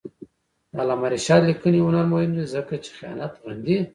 د علامه رشاد لیکنی هنر مهم دی ځکه چې خیانت غندي.